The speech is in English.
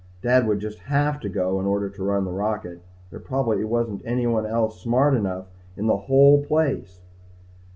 Dad would just have to go in order to run the rocket. There probably wasn't anybody else smart enough in the whole place.